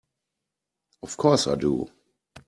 Of course I do!